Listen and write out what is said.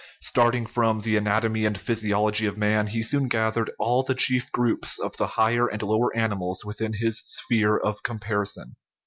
Starting from the anatomy and physiology of man, he soon gathered all the chief groups of the higher and lower animals within his sphere of comparison.